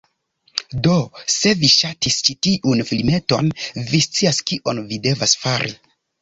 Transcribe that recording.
Do, se vi ŝatis ĉi tiun filmeton, vi scias kion vi devas fari.